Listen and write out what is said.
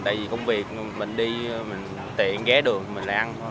tại vì công việc mình đi tiện ghé đường mình lại ăn thôi